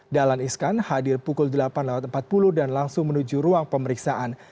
dahlan iskan hadir pukul delapan lewat empat puluh dan langsung menuju ruang pemeriksaan